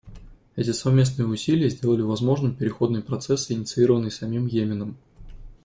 Эти совместные усилия сделали возможным переходный процесс, инициированный самим Йеменом.